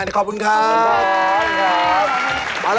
ขอบคุณครับขอบคุณครับขอบคุณครับขอบคุณครับขอบคุณครับ